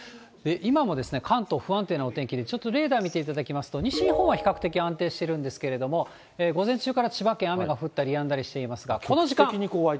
今も関東、不安定なお天気で、ちょっとレーダー見ていただきますと、西日本は比較的安定してるんですけれども、午前中から千葉県、雨が降ったりやんだりしていますが、この時間。